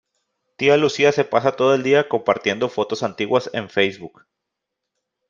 Tía Lucía se pasa todo el día compartiendo fotos antiguas en Facebook.